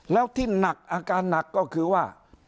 แล้วที่หนักอาการหนักก็คือว่า